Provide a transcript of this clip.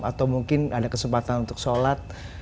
atau mungkin ada kesempatan untuk sholat